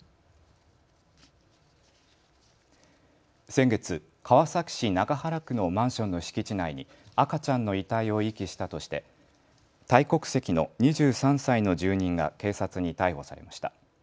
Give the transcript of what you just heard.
先月、川崎市中原区のマンションの敷地内に赤ちゃんの遺体を遺棄したとしてタイ国籍の２３歳の住人が警察に逮捕されました。